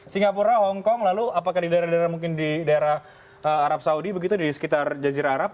singapura hongkong lalu apakah di daerah daerah mungkin di daerah arab saudi begitu di sekitar jazirah arab